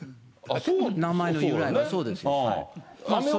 名前の由来は、そうです。